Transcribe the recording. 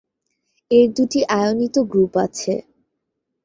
এর দুটি আয়নিত গ্রুপ আছে।